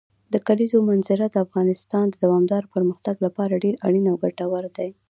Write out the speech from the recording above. د کلیزو منظره د افغانستان د دوامداره پرمختګ لپاره ډېر اړین او ګټور دی.